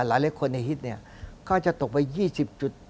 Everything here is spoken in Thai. หลายคนในฮิตก็จะตกไป๒๐๑๙